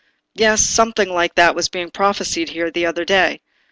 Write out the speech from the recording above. "Yes, something like that was being prophesied here the other day.